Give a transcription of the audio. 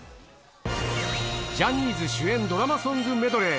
ジャニーズ主演ドラマソングメドレー。